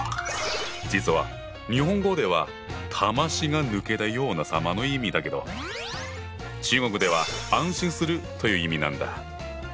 実は日本語では魂が抜けたような様の意味だけど中国では「安心する」という意味なんだ。